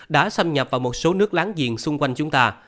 đã xâm nhập vào một số nước láng giềng xung quanh chúng ta